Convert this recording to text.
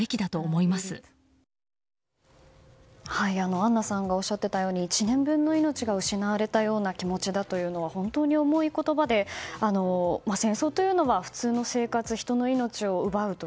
アンナさんがおっしゃっていたように１年分の命が失われたような気持ちだというのは本当に重い言葉で戦争というのは普通の生活、人の命を奪うと。